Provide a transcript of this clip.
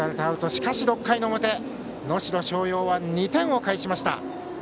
しかし６回の表、能代松陽は２点を返しました。